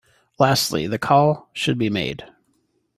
Lastly, the call should be made.